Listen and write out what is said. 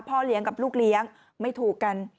พ่อเลี้ยงกับลูกเลี้ยงไม่ถูกกัน